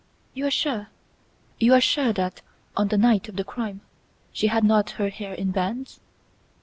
"You are sure! You are sure that, on the night of the crime, she had not her hair in bands?"